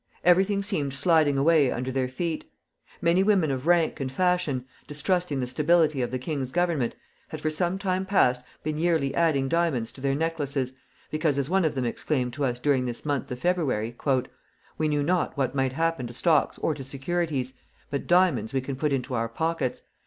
Everything seemed sliding away under their feet. Many women of rank and fashion, distrusting the stability of the king's government, had for some time past been yearly adding diamonds to their necklaces, because, as one of them exclaimed to us during this month of February: "We knew not what might happen to stocks or to securities, but diamonds we can put into our pockets.